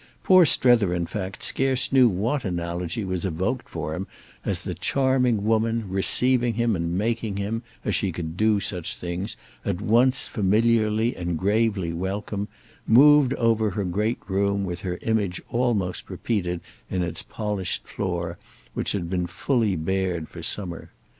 Poor Strether in fact scarce knew what analogy was evoked for him as the charming woman, receiving him and making him, as she could do such things, at once familiarly and gravely welcome, moved over her great room with her image almost repeated in its polished floor, which had been fully bared for summer.